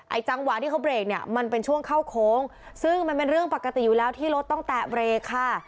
จังหวะที่เขาเบรกเนี่ยมันเป็นช่วงเข้าโค้งซึ่งมันเป็นเรื่องปกติอยู่แล้วที่รถต้องแตะเบรกค่ะ